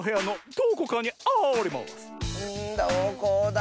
どこだ？